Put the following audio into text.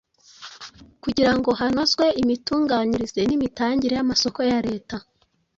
kugira ngo hanozwe imitunganyirize n’imitangire y’amasoko ya Leta